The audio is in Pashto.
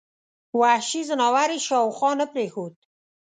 وحشي ځناور یې شاوخوا نه پرېښود.